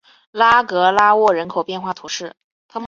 拉格拉沃人口变化图示